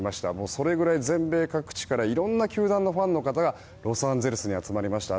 それぐらい全米各地からいろいろな球団のファンの方がロサンゼルスに集まりました。